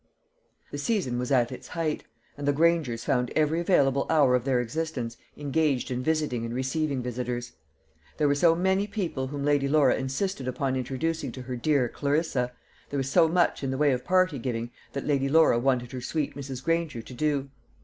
The season was at its height, and the Grangers found every available hour of their existence engaged in visiting and receiving visitors. There were so many people whom Lady Laura insisted upon introducing to her dear Clarissa there was so much in the way of party giving that Lady Laura wanted her sweet Mrs. Granger to do.